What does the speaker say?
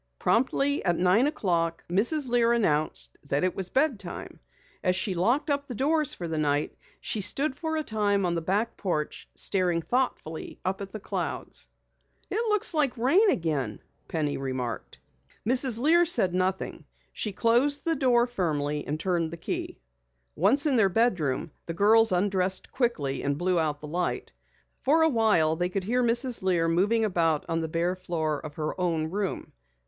Promptly at nine o'clock Mrs. Lear announced that it was bed time. As she locked up the doors for the night she stood for a time on the back porch, staring thoughtfully at the clouds. "It looks like rain again," Penny remarked. Mrs. Lear said nothing. She closed the door firmly and turned the key. Once in their bedroom, the girls undressed quickly and blew out the light. For awhile they could hear Mrs. Lear moving about on the bare floor of her own room.